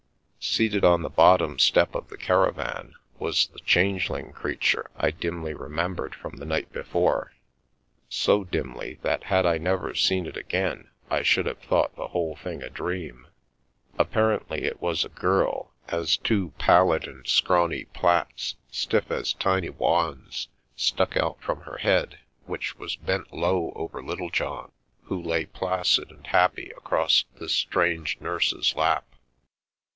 Seated on the bottom step of the caravan was the changeling creature I dimly remembered from the night before — so dimly, that had I never seen it again, I should have thought the whole thing a dream. Appar ently, it was a girl as two pallid and scrawny plaits, stiff as tiny wands, stuck out from her head, which was bent low over Littlejohn, who lay placid and happy across this strange nurse's lap.